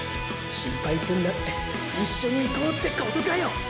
心配すんなって一緒にいこうってことかよ！！